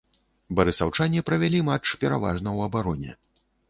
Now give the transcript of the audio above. Барысаўчане правялі матч пераважна ў абароне.